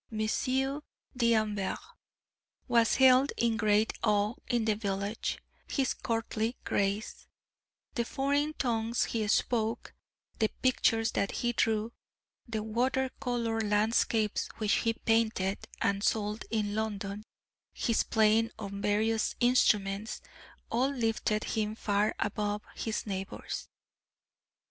Monsieur D'Anvers was held in great awe in the village; his courtly grace, the foreign tongues he spoke, the pictures that he drew, the water color landscapes which he painted and sold in London, his playing on various instruments all lifted him far above his neighbors.